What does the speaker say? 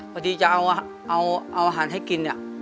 พอดีจะเอาอาหารให้กินเนี่ย